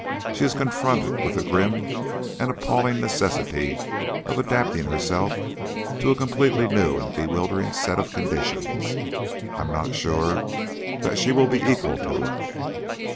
She is confronted with the grim and appalling necessity of adapting herself to a completely new and bewildering set of conditions. I'm not sure that she will be equal to it."